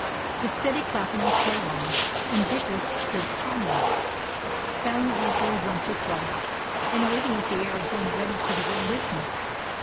The steady clapping was prolonged, and Dickers stood calmly, bowing easily once or twice, and waiting with the air of one ready to begin business.